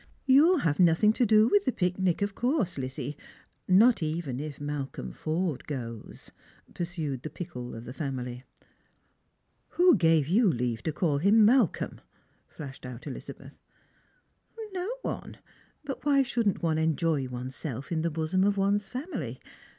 " You'll have nothing to do with the picnic, of course, Lizzie, not even if Malcolm Forde goes," pursued the " Pickle " of the family. "Who gave you leave to call him Malcolm?" flashed out Elizabeth. " No one ; but why shouldn't one enjoy oneself in the bosom of one's family.